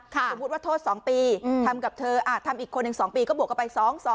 สมมุติว่าโทษ๒ปีทำกับเธอทำอีกคนหนึ่ง๒ปีก็บวกเข้าไป๒๒